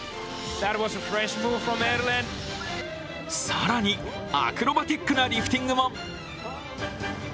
更にアクロバティックなリフティングも。